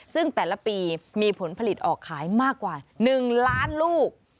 ซึ่งแต่ละปีมีผลผลิตออกขายมากกว่า๑ล้านลูก